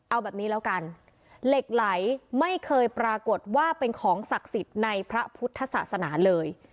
เอาแบบนี้แล้วกันเหล็กไหลไม่เคยปรากฏว่าเป็นของศักดิ์สิทธิ์ในพระพุทธศาสนาเลย